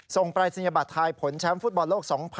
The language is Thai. ปรายศนียบัตรทายผลแชมป์ฟุตบอลโลก๒๐๑๖